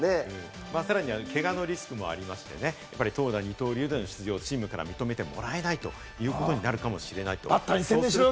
さらには、けがのリスクもありましてね、投打二刀流をチームから出場を認めてもらえないということもあるかもしれない。